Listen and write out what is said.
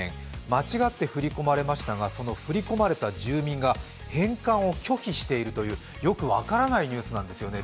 間違って振り込まれましたが振り込まれた住民が返還を拒否しているという、よく分からないニュースなんですよね。